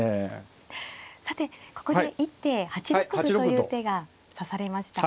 さてここで一手８六歩という手が指されました。